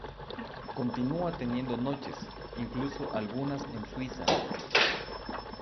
Continúa teniendo noches, incluso algunas en Suiza.